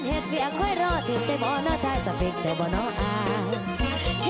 เห็ดเหรียกคอยลอดถึงใจเพราะใช้ซัมพิกเตย์เพราะเนาะอาย